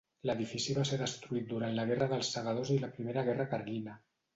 L’edifici va ser destruït durant la guerra dels segadors i la primera guerra carlina.